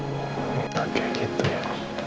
kayak gitu ya